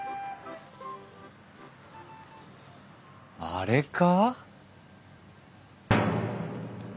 あれか？